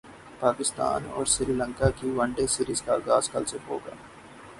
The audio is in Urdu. پاکستان اور سری لنکا کی ون ڈے سیریز کا غاز کل سے ہو گا